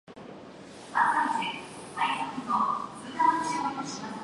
This bonding reinforces a linear geometry of the carbon chain.